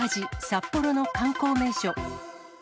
札幌の観光名所。